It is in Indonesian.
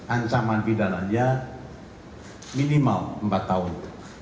ansaman pindananya minimal empat tahun